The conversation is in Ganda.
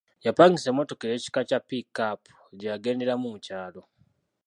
Yapangisa emmotoka ey'ekika kya `Pick-up' gye yagenderamu mu kyalo.